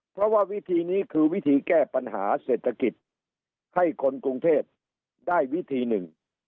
เพราะว่าวิธีนี้คือวิธีแก้ปัญหาเศรษฐกิจให้คนกรุงเทพได้วิธีหนึ่ง